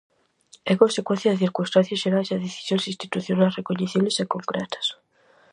É consecuencia de circunstancias xerais e decisións institucionais recoñecibles e concretas.